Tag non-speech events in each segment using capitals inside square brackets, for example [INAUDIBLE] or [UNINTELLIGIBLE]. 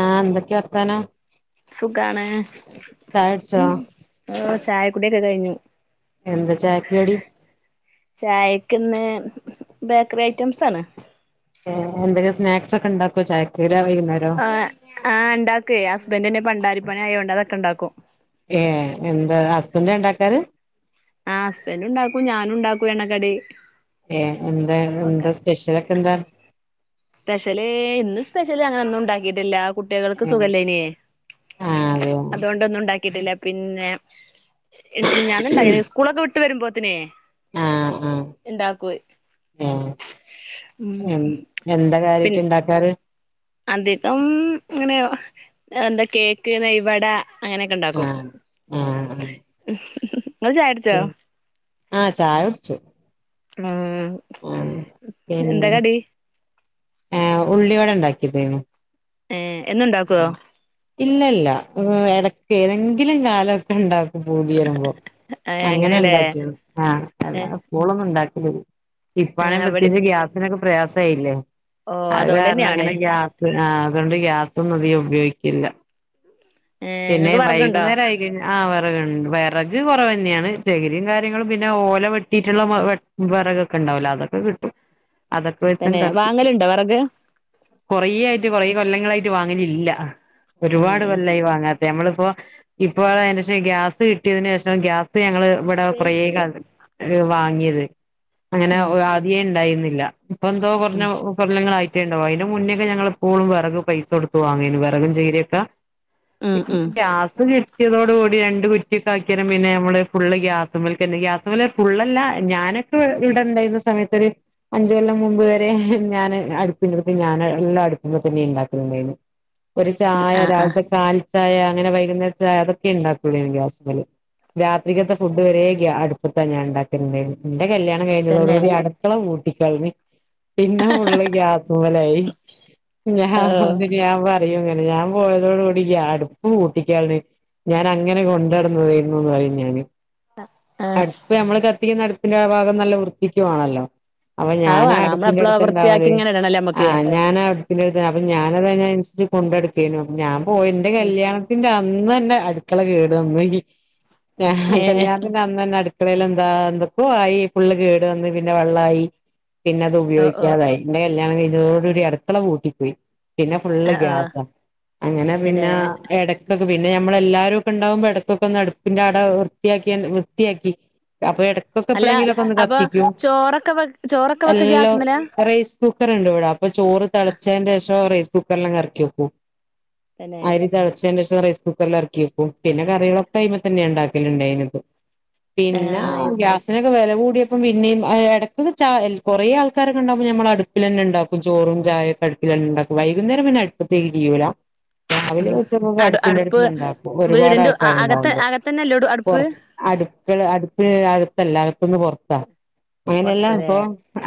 ആഹ് എന്തൊക്കെയാ വർത്താനം സുഖാണ് ചായടിച്ചോ ഓ ചായക്കുടൊക്കെ കഴിഞ്ഞു എന്താ ചായക്കടി ചായക്കന്ന് ബേക്കറി ഐറ്റംസ് ആണ് ഏഹ് എന്തെങ്കിലും സ്നാക്സ് ഒക്കെ ഉണ്ടാക്കോ ചായക്കടി വൈകുന്നവരോ ആഹ് ആഹ് ഉണ്ടാക്കേ ഹസ്ബൻന് പണ്ടാരിപ്പണ അയോണ്ട് അതൊക്കെ ഉണ്ടാക്കും ഏഹ് എന്താ ഹസ്ബന്റ് ഉണ്ടാക്കാര് ആഹ് ഹസ്ബൻറ് ഉണ്ടാക്കും ഞാനു ഉണ്ടാക്കും എണ്ണക്കടി ഏഹ് എന്താ ഒക്കെ എന്താ സ്പെഷ്യലൊക്കെ എന്താ സ്പെഷ്യല് ഇന്ന് സ്പെഷ്യല് അങ്ങനെന്നും ഉണ്ടാക്കിട്ടില്ല കുട്ടികൾക്ക് സുഗലേനിയേ ആഹ് അതെയോ അതുകൊണ്ടൊന്നും ഉണ്ടാക്കിട്ടില്ല പിന്നെ ഞാന ഇണ്ടായി സ്കൂളൊക്കെ വിട്ട് വരുമ്പോത്തിനെ ആഹ് ആഹ് ഉണ്ടാക്കയി ഏഹ് ഉം എ എന്താ കാര്യമായിട്ട് പിന്നെ ഇണ്ടാക്കാറ് അധികം ഇങ്ങനെയ എന്താ കേക്ക് നെയ്വവട അങ്ങനെയൊക്കെ ഉണ്ടാക്കും ആഹ് ആഹ് ഉം [UNINTELLIGIBLE] ഇങ്ങൾ ചായ കുടിച്ചോ ആഹ് ചായ കുടിച്ചു ഉം ആഹ് എന്താ പിന്നെ കടി ആഹ് ഉള്ളിയോടെ ഉണ്ടാക്കിയത് ഏഹ് എന്നുണ്ടാക്കുവോ ഇല്ല ഇല്ല ഇടക്ക ഏതെങ്കിലും കലൊക്കെ ഉണ്ടാക്കും പൂതിയരുമ്പോൾ ഏ അങ്ങനെ അങ്ങനെയല്ലേ ഉണ്ടാക്കിയു ആഹ് എല്ലാ ഏ പൂളും ഉണ്ടാക്കിലില്ല ഇപ്പാനെ അവിടെ പ്രത്യേകിച്ച് ഗ്യാസിനൊക്കെ പ്രയാസ ആയില്ലേ ഓ അത് അതുകൊണ്ട് കാരണം തന്നെയാണ് അങ്ങനെ ഗ്യാസ് ആഹ് അതൊണ്ട് ഗ്യാസൊന്നും അധിക ഉപയോഗിക്കില്ല ഏ പിന്നെ നിങ്ങക്ക് വിറകുണ്ടോ വൈകുന്നേരായി ആഹ് വിറകുണ്ട് വിറക് കുറവ് ന്നെയാണ് ചകിരിയും കാര്യങ്ങളും പിന്നെ ഓല വെട്ടിട്ടുള്ള വിറകൊക്കെ ഉണ്ടാവൂല അതൊക്കെ കിട്ടും അതൊക്കെ വെച്ചം പിന്നെ കത്തിക്കും വാങ്ങലുണ്ടോ വിറക് കൊറേ ആയിട്ട് കൊറെ കൊല്ലങ്ങളായിട്ട് വാങ്ങലില്ല ഒരുപാട് ഏ കൊല്ലായി വാങ്ങാത്ത നമ്മളിപ്പോ ഇപ്പ അനിന്റെഷം ഗ്യാസ് കിട്ടിയതിനന് ശേഷം ഗ്യാസ് ഇപ്പ ഞങ്ങള് ഇവിടെ ഫ്രീയായികാണ്ട് വാങ്ങിയത് അങ്ങനെ ഉം [UNINTELLIGIBLE] ഇണ്ടായിന്നില്ല ഇപ്പ എന്തോ ഉം പറഞ്ഞ ങ്ങളൾ ഇണ്ടാവു അയിന്റെ മുന്നേക്കെ ഞങ്ങൾ എപ്പോഴും വറക് പൈസ പൈസ കൊടുത്തു വാങ്ങിന് വിറകും ചെയ്തേതാ ഉം ഉം ഗ്യാസ് [UNINTELLIGIBLE] പറ്റിയതോടുകൂടി രണ്ട് കുറ്റിക്കെ ആക്കാനും പിന്നെ നമ്മള് ഫുള് ഗ്യാസ് മൽക്കണ്ട് ഗ്യാസ് മുല ഫുുള്ളല്ല ഞാന് ഇവിടെ ഉണ്ടായിരുന്ന സമയത്ത് അഞ്ച് കൊല്ലം മുമ്പ് വരെ ഞാൻ അടുപ്പിടുത്ത് ഞാൻ എല്ലാം അടുപ്മ്പോ തന്നെ ഉണ്ടാക്ക ഒരു ചായ ആ ആ രാവിലത്തെകാൽ ചായ അങ്ങനെ വൈകുന്ന ചായ അതൊക്കെ ഉണ്ടാക്കുള്ളൂനി ഗ്യാസും മേൽ രാത്രികത്തെ ഫുഡ് വരെ അടുപ്പ് തന്നെ ഇണ്ടാക്കി എന്റെ കല്യാണം തന്നെ കഴിഞ്ഞതോടുകൂടി അടുക്കള പൂട്ടി പിന്നെ ഫുള്ള് ഗ്യാസ് ഓ [UNINTELLIGIBLE] ഞാൻ പറയും ഇങ്ങനെ ഞാൻ പോയതോട് കൂടി അടുപ്പ് പൂട്ടിക്കാണ് ഞാൻ അങ്ങനെ കൊണ്ടാടന്നതരുന്നുന്ന് പറയും ഞാന് ആ അടുപ്പ് നമ്മള് കത്തിക്കുന്ന അടുപ്പിന്റെ ഭാഗം നല്ല വൃത്തിക്കുവാണല്ലോ അപ്പ അത് ഞാനാ വേണം നമ്മള് അടുപ്പിന്റെ എപ്പള അടുത്ത് വൃത്തിയാക്കി ഇണ്ടാവല് ഇങ്ങനെ ഇടണല്ലേ നമ്മക്ക് ആഹ് ഞാനാ പിന്നെടു അപ്പൊ ഞാന അതിനനുസരിച്ച് കൊണ്ടടുക്കേു ഞാൻ പോയി എന്റെ ഉം കല്യാണം ഇന്റെ അന്ന് തന്നെ അടുക്കള കേടുവന്നു ഞാൻ ഏ കല്യാണ [UNINTELLIGIBLE] അന്ന തന്നെ അടുക്കളൽ എന്താ എന്തൊക്ക ആയി ഫുള്ള് കേടുവന്നു പിന്നെ വെള്ള ആയി പിന്നെ അത് ഓ ഓ ഉപയോഗിക്കാതായി എന്റെ കല്യാണം കഴിഞ്ഞോട് കൂടി അടുക്കള പൂട്ടിപ്പോയി പിന്നെ ഫുള്ള് ആ ഓ ഗ്യാസ അങ്ങനെ തന്നെ പിന്നെ എട പിന്നെ നമ്മളെല്ലാരും ഒക്കെ ഉണ്ടകുമ്പോ ഇടത്തൊക്കെ ഒന്ന് അടുപ്പിന്റെ അവിടെ വൃത്തിയാക്കിയ വൃത്തിയാക്കി അപ്പൊ ഇടക്കൊക്കെ അല്ല എപ്പഴെങ്കിലൊക്കെ ഒന്ന് അപ്പൊ കത്തിക്കോ ചോറൊക്കെ വെ ചോറൊക്കെ വെക്ക എല്ലാം ഗ്യാസ്മല റൈസ് കുക്കർ ഉണ്ട് ഇവിടാ അപ്പൊ ചോറ് തിളച്ചന്റെഷം റൈസ് കുക്കറിലെ അറക്കി വെക്കും തന്നെ അരി തിളച്ചതിന് ശേഷം റൈസ് കുക്കറിൽ അറക്കി വെക്കും പിന്നെ കറികളൊെ അതുമ്മ തന്നെ ഉണ്ടാക്കലുണ്ടനത് പിന്നെ ആ ഗ്യാസിനൊക്കെ വെല കൂടിയ അപ്പം പിന്നെയ ഇടക്ക കുറെ ആൾക്കാരെ കണ്ടപ്പോ നമ്മള അടുപ്പില്ന്നെ ഉണ്ടാക്കും ചോറും ചായയൊക്കെ അടുപ്പിൽ തന്നെ ഉണ്ടാക്കും വൈുന്നേരം പിന്നെ അടുപ്പഴത്തേക്ക് [UNINTELLIGIBLE] രാവിലെ ഉം ഉച്ചക്കൊക്കെ അടു അടുപ്പിന്റെ അടുപ്പ് അടുത്ത് ഇണ്ടാക്കും ഒരുപാട് വീടിന്റെ അകത്ത് ആൾക്കാരുണ്ടാവുമ്പോ അകത്തന്നെല്ലോ പൊ അടുപ്പ് അടുക്കള് അടുപ്പ അകത്തല്ല അകത്തന്ന് പൊറത്താ അങ്ങനെയല്ലാം പൊറത്തല്ലേ ഇപ്പൊ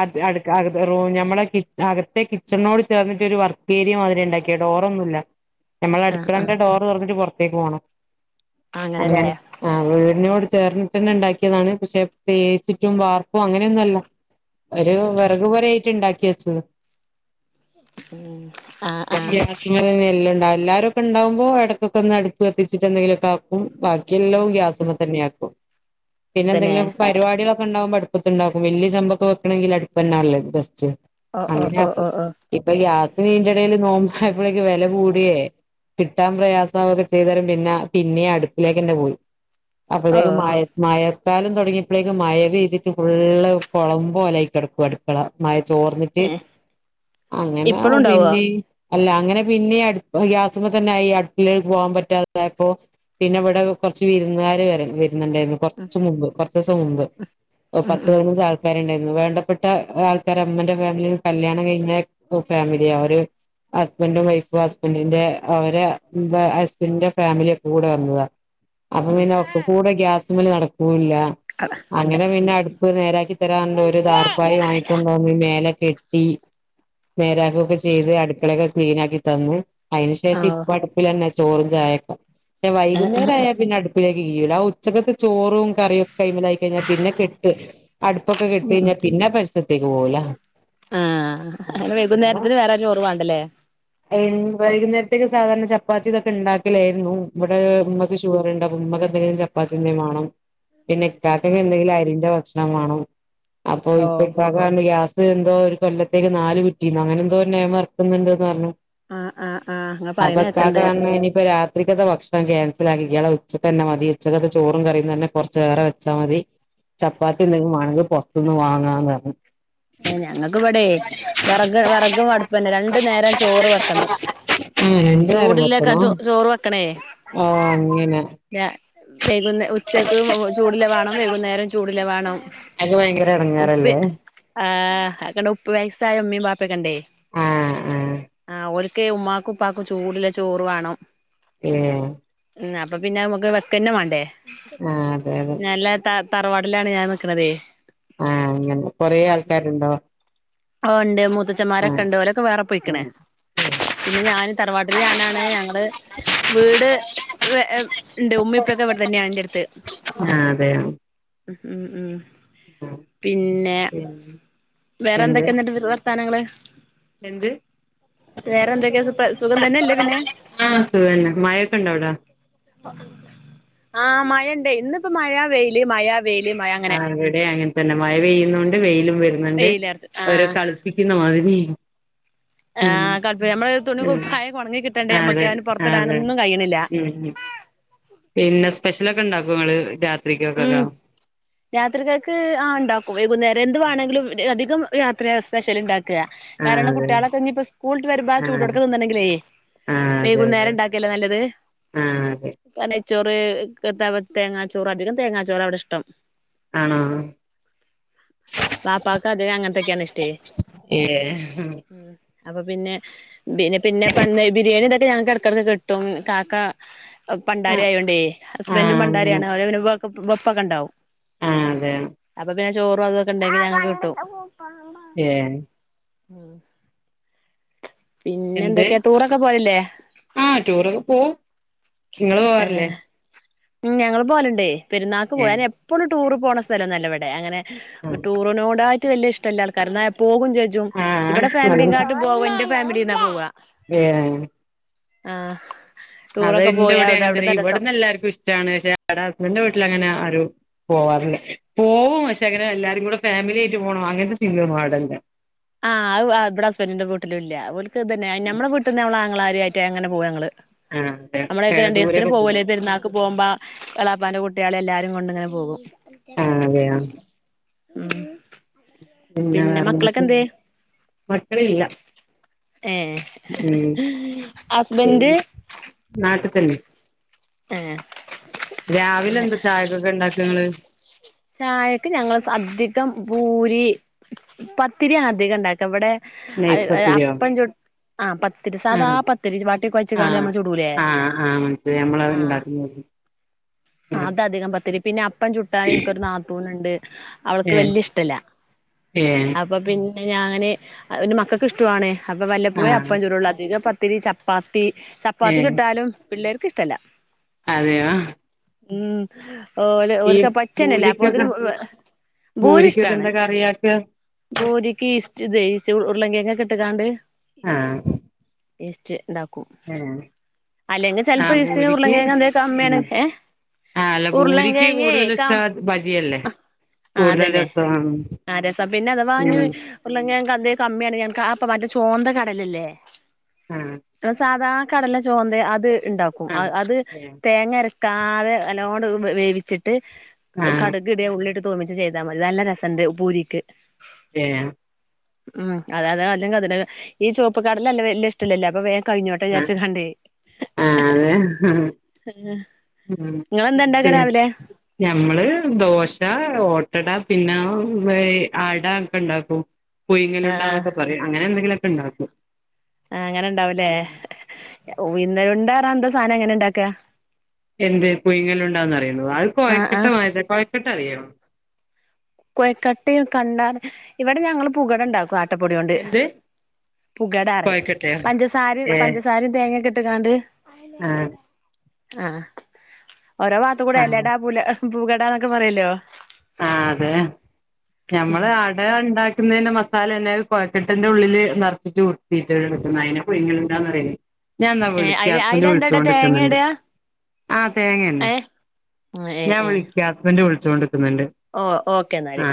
അത് അടു റൂ മ്മെ അകത്തെ കിച്ചണോട് ചേർന്ന്ട്ട് വർക്ക് ഏരിയ മാതിരി ഉണ്ടാക്കിയ ഡോറ ഒന്നുല്ല നമ്മള ആഹ് ആഹ് അടുകളന്റെ ഡോ ഡോർ തുറന്നിട്ട് പുറത്തേക്ക് പോണം അങ്ങനെ അങ്ങനെല്ലേ ആ വീടിനോട് ചേർന്നിട്ട് തന്നെ ഉണ്ടാക്കിയതാണ് പക്ഷെ തേച്ചിറ്റും വാർപ്പും അങ്ങനെയൊന്നും അല്ല ഒരു വിറക് പോരയിട്ട് ഉണ്ടാക്കി വെച്ചത് ഉം ആഹ് ആഹ് ഗ്യാസിങ്ങ തന്നെ എല്ലാം ഉണ്ടാവും എല്ലാരും ണ്ടാവുമ്പോ ഇടക്കൊക്കെ ഒന്ന് അടുപ്പ് കത്തിച്ചിട്ട് എന്തെിലൊക്കെ ആക്കും ബാക്കിെല്ലാം ഗ്യാസമ്മ തന്നെയ ആക്കും പിന്നെ തന്നെ എന്തെങ്കിലു പ പരിപാടികളക്കെ ഉണ്ടാമ്പോ അടുപ്പത്തണ്ടാക്കും വലിയ ചെമ്പൊക്കെ വയ്ക്കണമെങ്കിൽ അടുപ്പ തന്നാ നല്ലത് ബെസ്റ്റ് ഓ ഓ ഓ അങ്ങനെയകു ഓ ഓ ഇപ്പൊ ഗ്യാസ് നീന്റെ ഇടൽ നോമ്പോയപ്പോഴേക്ക് വില കൂടിയേ കിട്ടാൻ പ്രയാസം അവൊക്കെ ചെയ്തുതരും പിന്നെ പിന്നെ അടുപ്പിലേക്ക് തന്നെ പോയി ഓ അപ്പോത്തേക്ക് മയ മഴക്കാലം തുടങ്ങിയപ്പോഴേക്കും മഴവെയ്തിട്ട് ഫുള്ള് കുളമ്പ പോലായി കിടക്കും അടുക്കള മഴ ചോർന്നി ഏഹ് അങ്ങനെ ഇപ്പഴും ഉണ്ടാവോ പിന്നെ അല്ല അങ്ങനെ പിന്നിം അടു ഗ്യാസുമ തന്നെ ആയി ഈ അടുപ്പിലെക്ക് പോകാൻ പറ്റാതായപ്പോ പിന്നെ ഇവിടെ കുറച്ച് വിരുന്നുകാര് വ വരുന്നുണ്ടായിരുന്നു ഉം കൊറച്ച് മുമ്പ് കുറച്ച് ദിസം മുമ്പ് ഹെ ഉം പത്ത് ഉം പതിനഞ്ച് ആൾ ആക്കണ്ടായിരുന്നു വേണ്ടപ്പെട്ട ആൾക്കർ അമ്മന്റെ ഫാമിലിന്ന് കല്യാണം കഴിഞ്ഞ ഫാമിലിയ ഒരു ഹസ്ബൻഡും വൈഫും ഹസ്ബൻഡിന്റെ അവരെ ഹസ്ബൻഡറിന്റെ ഫാമിലി ഒക്കെ കൂടെ വന്നത അപ്പൊ ഉം പിന്നെ ഒക്ക കൂടെ ഗ്യാസ മല് നടക്കൂല്ല അതാ അല്ല അങ്ങനെ പിന്നെ അടു പ്പ് നേരാക്കി തരാന്ന് ഒരു താർപ്പായി വാങ്ങിക്കൊണ്ടന് ഈ മേലൊക്കെട്ടി നേരാക്കൊക്കെ ചെയ്ത് അടുക്കളയൊക്കെ ക്ലീൻ ആക്കി തന്നു അയിന് ഓ ശേഷം ഇപ്പ അടു പിലെന്നെ ചോറും ചായക്കെ പക്ഷെ ആഹ് ആഹ് വൈകുന്നേരം ആയ പിന്നെ അടുപ്പിലേക്ക് കീഴൂല ആ ഉച്ചക്കത്ത് ചോറും കറിയക്കെ ആയിമല ആയി കഴിഞ്ഞൽ പിന്നെ കെട്ട് അടുപ്പൊക്കെ കേട്ട് കഴിഞ്ഞാ പിന്നെ അ പരിസ് ക്ക് പോവൂല ആഹ് അങ്ങനെ വൈകുന്നേരത്തിന് വേരെ ചോർ വാണ്ടല്ലേ വൈകുന്നേരത്തേൊക്കെ സാധാരണ ചപ്പാത്തി ഇതൊക്കെ ഇണ്ടാക്കലായിരുന്നു ഇവിടെ നമ്മക്ക് ഷുഗർ ഉണ്ട അപ് ഉമ്മാക്കെ എന്തെങ്കിലും ചപ്പാത്തിന്ന വണം പിന്നെ ഇക്കാക്ക ആഹ് എന്തെങ്കിലും അരിന്റെ ഭക്ഷണം വാണം അപ്പൊ ഓ ഇപ്പ ഇക്കാക്ക പറഞ്ഞ് ഗ്യാസ് എന്തോ ഒരു കൊല്ലത്തേക്ക് നാല് കു റ്റിന്ന് അങ്ങനെ എന്തോ നിയമം ഇറക്കുന്നുണ്ട്ന്ന് പറഞ്ഞു ആഹ് ആഹ് ആഹ് ഇങ്ങള് അപ്പൊ പറയണ ഇക്കാക്ക കേക്കണ്ട് പറഞ്ഞ് ഇനിപ്പ രാ ത്രി ക്കാതെ ഭക്ഷണം ക്യാൻസൽ ആക്കിക്കള ഉച്ചക്ക് തന്നെ മതി ഉച്ചകത്തെ ചോറും കറിയും തന്നെ കുറച് ഏറെ വെച്ചാൽ മതി ചപ്പാത്തി എന്തെങ്കിലും വണെങ്കിൽ പുറത്തിനിന്ന് വാങ്ങാന്ന് പറഞ്ഞു ഏ ഞങ്ങക്ക് ഇവിടെ വറഗ വെറഗും അടുപ്പന്നെ രണ്ടു നേരം ചോറ് വെക്കണം ആ രണ്ടു നേരം ചൂടില്ലക്ക വെക്കണോ ചോ ചോറ് വെക്കണേ ഓ അങ്ങനെ ല്ല വെയ്കുന്നേ ഉ ഉച്ചക്ക് ചൂടിലെ വണം വൈകുന്നേരം ചൂടില വണം അതൊക്കെ ഭയങ്കര ഉപ്പ് എടങ്ങേറല്ലേ ആഹ് അക്കണ്ട ഉപ്പ് വയസ്സായ ഉമ്മയും പാപ്പൊക്കെണ്ടേ ആഹ് ആഹ് ആ ഓൽ ക്കെ ഉമ്മാക്കും ഉപ്പാക്കും ചൂടില്ല ചോറ് വാണം ഹെ ഉ അപ്പൊ പിന്നെ നമുക്ക് വെക്കന്നെ വാണ്ടേ ആഹ് അതെ അതെ നല്ല ത തറവാട്ടിലാണ് ഞാൻ നിൽക്കണതേ ആഹ് അങ്ങനെ കൊറെ ആൾക്കാരുണ്ടോ ഓ ഇണ്ട് മൂത്തച്ചമാരൊക്കെ ആഹ് ഇണ്ട്ഓലൊക്കെ വേറെ പൊയിക്കണ് പിന്നെ ഞാന് തറവാട്ടില് ഞാനാണ് ഞങ്ങള് വീട് ഏ വേ ഇണ്ട് ഉമ്മിപ്പൊക്കെ ഇവിടെ തന്നെയ ന്റെ അടുത്ത് ആ ഹ്അതെയൊ ഉ ഉം ഉം പിന്നെ പിന്നെ എന്ത് വേറെന്തൊക്കെ എന്നിട്ട് [UNINTELLIGIBLE] വർത്താനങ്ങൾ എന്ത് സു സുഖം തന്നെയല്ലേ പിന്നെ ആഹ് സുഖന്നെ മഴൊക്കെണ്ടോവിടാ ആഹ് മഴണ്ട് ഇന്നിപ്പോ മഴ വെയില് മഴ വെയില് മഴ അങ്ങനെ ആഹ് ഇവിടെ അങ്ങനെ തന്നെ മഴ പെയ്യുന്നുണ്ട് വെയിലും വരുന്നുണ്ട് വെയിലറച്ച് അവര ആഹ് കളിപ്പിക്കുന്നു മതിരി ഉം ആഹ് കുഴപ്പല്ല നമ്മള് തുണി ഉം കുപ്പായൊക്കെ ഉണങ്ങി കിട്ടണ്ടേ നമ്മക്ക് അതെ അതിന് അതെ പുറത്തിടാനൊന്നും കഴിയണില്ല ഉം പിന്നെ സ്പെഷ്യലൊക്കെ ഇണ്ടാക്കൊ ഇങ്ങൾ രാത്രിക്കൊക്കെ രാത്രിക്കക്ക് ആ ഇണ്ടാക്കും വൈകുന്നേരം എന്ത് വണങ്കിലും അധികം രാത്രിയാ സ്പെഷ്യൽ ഇണ്ടാ ക്ക ആഹ് കാരണം അതെ കുട്ടിളെക്കെ ഇഞ്ഞി പ്പ സ്കൂൾ വിട്ട് വരുമ്പോ അ ആഹ് ചൂടോട്ക്കനെ തിന്നണകിലെ ആഹ് അതെ വൈകുന്നേരം ഇണ്ടാക്കല്ലേ നല്ലത് അതെ ആഹ് അതെ പ നൈച്ചോറ് എത്താ തേങ്ങാച്ചോറ് അധികം തേങ്ങാച്ചോറാ ഇവിടെ ഇഷ്ടം ആണോ വാപ്പാക്ക് അധികം അങ്ങനത്തെക്കാണാ ഇഷ്ടേ ഏഹ് ഉം അപ്പൊ പിന്നെ പിന്നെ പിന്നെ പന്ന് ബിരിയാണി ന്തൊക്കെ ഞങ്ങക്ക്ടക്കിടക്ക് കിട്ടും കാക്ക പണ്ടാരി ആഹ് ആയോണ്ടേ ഹസ്ബൻറും ആഹ് അങ്ങനെ പണ്ടാരിയാണ് അവര വെപ്പൊക്കെ ഇണ്ടാവും ആഹ് അതെ അപ്പൊ പിന്നെ ചോറും അതൊക്കെ ഉണ്ടെങ്കിൽ ഞങ്ങക്ക് കിട്ടും ഏഹ് ഉം എന്ത് എന്തൊക്കെയാ ടൂറൊക്കെ പോവലില്ലേ ആഹ് ടൂറൊക്കെ പൊവും ഇങ്ങള് പോവാറില്ലേ ഏഹ് ഉം ഞങ്ങള് പോല്ണ്ടേ പെരുന്നാൾക്ക് ഏഹ് പോവാൻ എപ്പോഴും ടൂറ് പോണ സ്ഥലം ഒന്നുഅല്ല ഇവിടെ അങ്ങനെ ടൂറിനോടായിട്ട് വലിയ ഇഷ്ടല്ല ആൾക്കാരാ ന്നാ പോകും ചെ ജും ആഹ് ഇവിടെ ആഹ് ഫാമിലിയാട്ടും പോവ ഇന്റെ ഫാമിലിന്നാ പോവ ഏഹ് ആഹ് അത് ടൂറൊക്കെ ഇന്റെ പോയി ഇവിടെ അവിടെ അങ്ങനെ തന്നെ അവിടുന്ന് രസം ഇവിടന്ന് എല്ലാവർക്കും ഇഷ്ടാണ് പക്ഷെ അവടെ ഹസ്ബൻഡന്റെ വീട്ടിൽ അങ്ങനെ ആരും പോവാറില്ല പോവും പക്ഷെ അങ്ങനെ എല്ലാരും കൂടെ ഫാമിലി ആയിട്ട് പോണം അങ്ങനത്തെ ചിന്തയൊന്നും അവിടെയില്ല ആഹ് അത് ഇവിടെ ഹസ്ബൻഡിന്റെ വീട്ടിലും ഇല്ല ഓല്ക്ക് ഇതന്നെ ഞമ്മടെ വീട്ടീന്ന് നമ്മള് അങ്ങളാരായിട്ട് അങ്ങനെ പോവു ഞങ്ങള് ആഹ് അതെ നമ്മളൊക്കെ ഏടെ രണ്ട് ദിവസത്തിന് ദൂരെയൊക്കെ പോകുവല്ലേ പോവും പെരുന്നാൾക്ക് പോകുമ്പോ എളേപ്പാന്റെ കുട്ടികളേ എല്ലാരേം കൊണ്ടിങ്ങനെ പോകും ആഹ് അതെയോ ഉം പിന്നെ മക്കളൊക്കെ വേറെന്തൊക്കെ എന്തേ മക്കളില്ല ഏഹ് ഹസ്ബൻഡ് നാട്ടിതന്നെ ഏഹ് രാവിലെന്താ ചായക്കൊക്കെണ്ടാക്കങ്ങള്? ചായക്ക് ഞങ്ങള് അധികം പൂരി, പത്തിരിയാണധികണ്ടാക്ക ഇവടെ അത് നൈസ് അത് പത്തിരിയോ അപ്പം ചുട്ട് ആഹ് പത്തിരി സാധാ ആഹ് പത്തിരി വാട്ടികൊഴച്ച്കാണ്ട് ആഹ് നമ്മള് ചൂടൂലേ? ആഹ് ആഹ് മനസ്സിലായി നമ്മള ആഹ് ഉണ്ടാക്കുന്നത് ആഹ് അത അധികം പത്തിരി പിന്നെ അപ്പം ചുട്ടാല് എനിക്കൊരു നാത്തൂന്ണ്ട് അവൾക്ക് വല്യയിഷ്ടല്ല ഏഹേ അപ്പ പിന്നെ ഞാന് അത് പിന്നെ മക്കക്കിഷ്ടവുമാണ് അപ്പൊ വല്ലപ്പോയും ആഹ് അപ്പം ചുടൊള്ളു അധികം പ ത്തിരി, ചപ്പാത്തി, ചപ്പാത്തി ചുട്ടാലും പിള്ളേർക്കിഷ്ടമല്ല അതേയോ? ഉം ഓല് ഓൽക്ക് പറ്റെന്നെല്ല അപ്പോത്തിന് പൂരിക്കൊക്കെ പൂരിക്കൊക്കെ ഭൂരിഷ്ടാണ് എന്താ കറിയാക്ക ഭൂരിക്ക് ഈസ്‌റ്റ്ടേ ഇസ് ഉരുളക്കിഴങ്ങൊക്കെട്ട്ക്കാണ്ട് ആഹ് ഇസ്റ്റ്ണ്ടാക്കും ഏഹ് അല്ലെങ്കിൽ ചെലപ്പോ ആഹ് ഇസ്റ്റ്ന് പൂരിക്ക് ഉരുളകിഴങ്ങെന്തേലും ഉം കമ്മിയാണെ ഏഹ് ആഹ് അല്ല പൂരിക്ക് ഉരുളംകിഴങ്ങേ കൂടുതൽ കം ഇഷ്ടം ബജിയല്ലേ ആഹ് കൂടുതൽ അതന്നെ രസം ആഹ് രസം പിന്നെ അഥവാഞ് ഉം ഉരുളകിഴങ്ങു അതെ കമ്മിയാണെ ഞാൻ അപ്പൊ മറ്റേ ചോന്ത കടലല്ലേ? ആഹ് ആ സാദാ കടല ചോന്തേ അത്ണ്ടാക്കും ആഹ് അത് ഏഹ് തേങ്ങയര - - കാതെ നല്ലോണട്ട് അത് വേവിച്ചിട്ട് ആഹ് കടു ക് ടെ ഉള്ളിട്ട് തൂമിച്ച് ചെയ്താ മതി നല്ല രസണ്ട് പൂരിക്ക് ഏഹ് ഉം അത അത അല്ലെങ്കി അതല് ഈ ചോപ്പ് കടല അല്ലെ വല്യ ഇഷ്ടല്ലല്ലോ അപ്പൊ വേ കഴിഞ്ഞോട്ടെ ആഹ് വിചാരിച്ച്ങ്ങാണ്ടേ? ആഹ് അതെ ഉം പേൻ ഞമ്മള് ദോശ, ഓട്ടട, പിന്നെ വേ അട ഒക്കെണ്ടാക്കും ആ പുഴുങ്ങലുണ്ടാന്നൊക്കെ പറയും അങ്ങനെന്തെങ്കിലൊക്കെണ്ടാക്കും ആഹ് അങ്ങനെണ്ടാവുല്ലേ? ഉഴുന്നയുണ്ടാന്നറഞാ എന്താ സാധനംങ്ങനെണ്ടാക്ക എന്ത് പുയുങ്ങലുണ്ടാന്നറിയുന്നോ അത് ആ ആ കൊഴക്കട്ടമാതിരി കൊഴക്കട്ടറിയോ? കൊഴക്കട്ടയും കണ്ടാല ഇവിടെ ഞങ്ങള് പുകടണ്ടാക്കും ആട്ടപ്പൊടിയോണ്ട് എന്ത് പുകടാറിയും കൊഴക്കട്ടയോ പഞ്ചസാരയും പഞ്ചസാരയും തേങ്ങക്കെട്ട്ക്കാണ്ട് ആഹ് ആഹ് ഓരോ ഭാഗത്തുകൂടെ ആ എലെടാ, പൂല പൂകടാന്നൊക്കെ പറയൊല്ലോ? ആഹ് അതെ ഞമ്മള് ആ - - അടെയുണ്ടാക്കുന്നതിന്റെ മസാലന്നെ ആണ് കൊഴക്കെട്ടിന്റുള്ളില് നെറച്ചിട്ട് ഇരുട്ടീട്ടെടുക്കുന്നയിനും പുഴുങ്ങലുണ്ടാന്നറിയല് ഞാന്നാ ഏഹ് വിളിക്കാ അയില് ഹസ്ബൻഡ് അയിലെന്താടാ തേങ്ങ വിളിച്ചോണ്ടിരിക്കുന്നുണ്ട് ഇടാ ആ തേങ്ങയന്നെ ഏഹ് ഏഹ് ഞാൻ ഏഹ് വിളിക്ക ഹസ്ബൻഡ് വിളിച്ചോണ്ട്ക്കുന്നുണ്ട് ഓ ഓക്കെന്നാല്